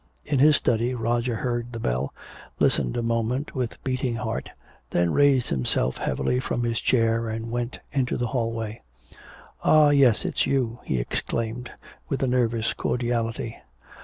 In his study Roger heard the bell, listened a moment with beating heart, then raised himself heavily from his chair and went into the hallway. "Ah, yes! It's you!" he exclaimed, with a nervous cordiality.